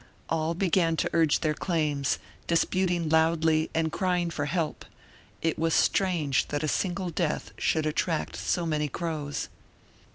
All began to urge their claims, disputing loudly and crying for help; it was strange that a single death should attract so many crows.